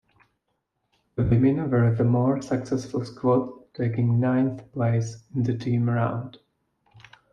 The women were the more successful squad, taking ninth place in the team round.